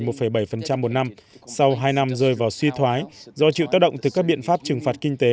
một bảy một năm sau hai năm rơi vào suy thoái do chịu tác động từ các biện pháp trừng phạt kinh tế